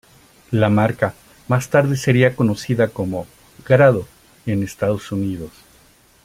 La marca más tarde sería conocido como "Grado" en Estados Unidos.